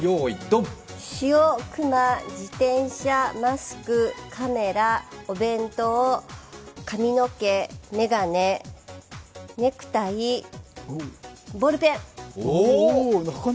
塩、熊、自転車、マスク、カメラ、お弁当、髪の毛、眼鏡、ネクタイボールペン！